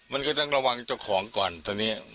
มันก็ต้องระวังเจ้าของก่อนตอนนี้